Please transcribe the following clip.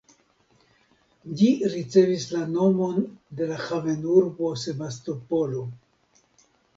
Ĝi ricevis la nomon de la havenurbo Sebastopolo.